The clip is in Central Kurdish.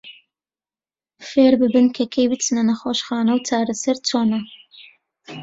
فێرببن کە کەی بچنە نەخۆشخانە و چارەسەر چۆنە.